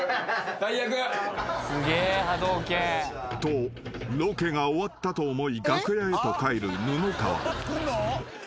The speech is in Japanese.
［とロケが終わったと思い楽屋へと帰る布川］